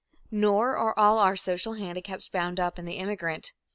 Nor are all our social handicaps bound up in the immigrant.